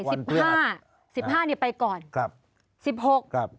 สิบห้าสิบห้าเนี้ยไปก่อนครับสิบหกครับ